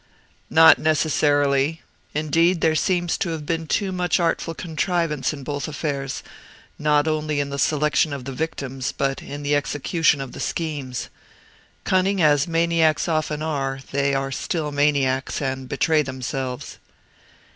"Not necessarily. Indeed there seems to have been too much artful contrivance in both affairs, not only in the selection of the victims, but in the execution of the schemes. Cunning as maniacs often are they are still maniacs, and betray themselves."